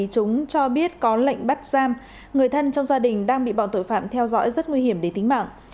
chúng cho biết có lệnh bắt giam người thân trong gia đình đang bị bọn tội phạm theo dõi rất nguy hiểm đến tính mạng